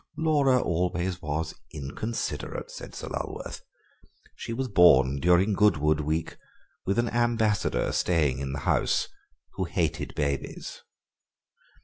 "Laura always was inconsiderate," said Sir Lulworth; "she was born during Goodwood week, with an Ambassador staying in the house who hated babies."